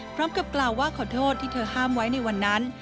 พร้อมกับกล่าวว่าขอโทษที่เธอห้ามไว้ในวันนั้น